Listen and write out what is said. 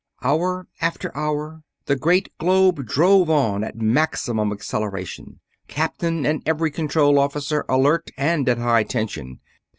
Hour after hour the great globe drove on at maximum acceleration, captain and every control officer alert and at high tension.